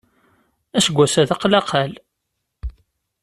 Aseggas-a d aqlaqal.